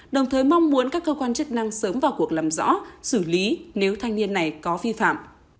đồng thời mong muốn các cơ quan chức năng sớm vào cuộc làm rõ xử lý nếu thanh niên này có vi phạm